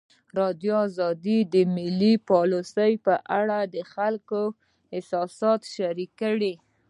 ازادي راډیو د مالي پالیسي په اړه د خلکو احساسات شریک کړي.